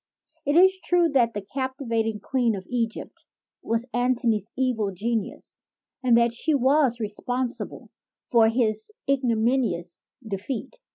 It is true that the captivating queen of Egypt was Antony's evil genius and that she was respon sible for his ignominious defeat.